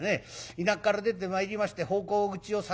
田舎から出てまいりまして奉公口を探す。